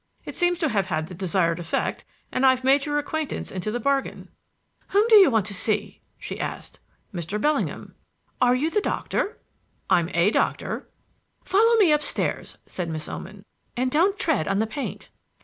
"It seems to have had the desired effect, and I've made your acquaintance into the bargain." "Whom do you want to see?" she asked. "Mr. Bellingham." "Are you the doctor?" "I'm a doctor." "Follow me upstairs," said Miss Oman, "and don't tread on the paint."